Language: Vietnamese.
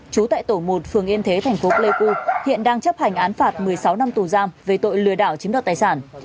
trú tại tổ một phường yên thế thành phố pleiku hiện đang chấp hành án phạt một mươi sáu năm tù giam về tội lừa đảo chiếm đoạt tài sản